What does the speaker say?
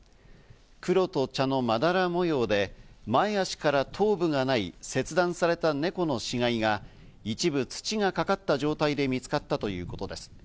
黒と茶のまだら模様で、前足から頭部がない切断された猫の死骸が一部、土がかかった状態で見つかったということです。